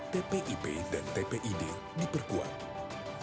tpip dan tpid diperkuat